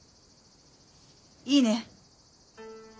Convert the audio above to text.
いいね？